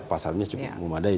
pasarnya cukup memadai